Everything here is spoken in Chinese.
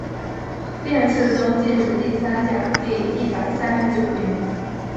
殿试登进士第三甲第一百三十九名。